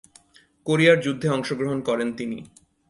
কোরিয়ার যুদ্ধে অংশগ্রহণ করেন তিনি।